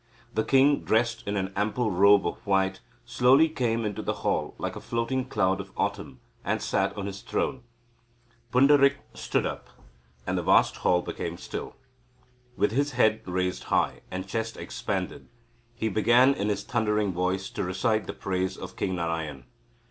The king, dressed in an ample robe of white, slowly came into the hall like a floating cloud of autumn, and sat on his throne. Pundarik stood up, and the vast hall became still. With his head raised high and chest expanded, he began in his thundering voice to recite the praise of King Narayan.